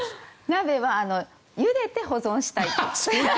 鍋はゆでて保存したいと。